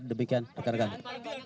ada beberapa fakta baru misalnya